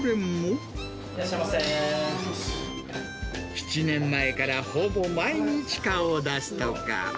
７年前からほぼ毎日顔を出すとか。